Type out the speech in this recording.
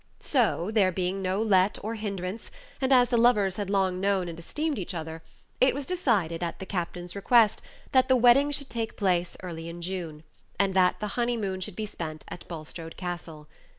So, there being no let or hinderance, and as the lovers had long known and esteemed each other, it was decided, at the captain's request, that the wedding should take place early in June, and that the honeymoon should be spent at Bulstrode Castle.